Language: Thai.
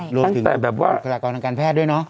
หลวงถึงบุคลากรรายการแพทย์ด้วยเนาะ